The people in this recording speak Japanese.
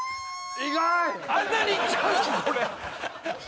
意外！